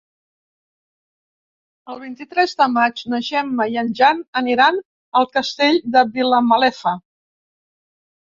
El vint-i-tres de maig na Gemma i en Jan aniran al Castell de Vilamalefa.